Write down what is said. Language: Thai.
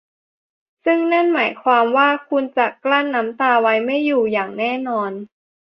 ซึ่งนั่นหมายความว่าคุณจะกลั้นน้ำตาไว้ไม่อยู่อย่างแน่นอน